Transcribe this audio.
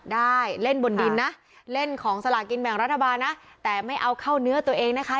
ได้เล่นบนดินนะเล่นของสลากินแบ่งรัฐบาลนะแต่ไม่เอาเข้าเนื้อตัวเองนะคะ